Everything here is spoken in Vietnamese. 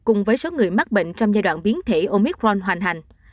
cùng với số người mắc bệnh trong giai đoạn biến thể omicron hoành hành